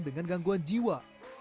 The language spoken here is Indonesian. dengan gangguan jiwa